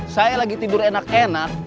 saya lagi tidur enak enak